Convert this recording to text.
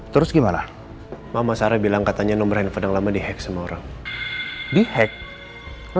terus gimana mama sarah bilang katanya nomor handphone lama dihack semua orang dihack lo